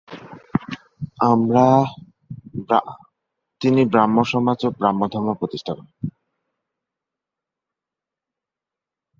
তিনি ব্রাহ্মসমাজ ও ব্রাহ্মধর্ম প্রতিষ্ঠা করেন।